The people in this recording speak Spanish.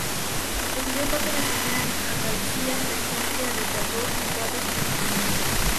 Residió parte de su vida en Andalucía, región que retrató en cuadros costumbristas.